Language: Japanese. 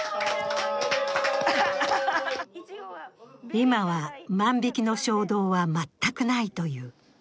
今は万引きの衝動は全くないという。